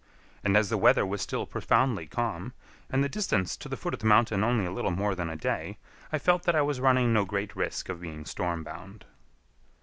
And as the weather was still profoundly calm, and the distance to the foot of the mountain only a little more than a day, I felt that I was running no great risk of being storm bound.